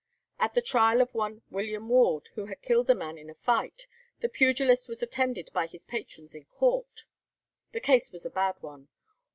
At the trial of one William Ward, who had killed a man in a fight, the pugilist was attended by his patrons in court. The case was a bad one.